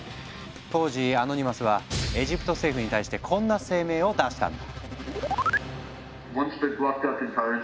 当時アノニマスはエジプト政府に対してこんな声明を出したんだ。